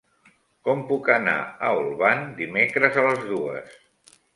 Com puc anar a Olvan dimecres a les dues?